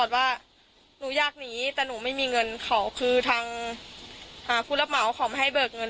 ว่าหนูอยากหนีแต่หนูไม่มีเงินเขาคือทางผู้รับเหมาเขาไม่ให้เบิกเงิน